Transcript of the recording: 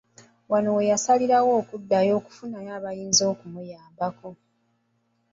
Wano we yasalirawo okuddayo okufunayo abayinza okumuyambako.